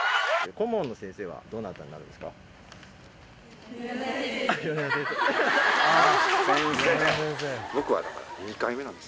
顧問の先生はどなたになるん米田先生です。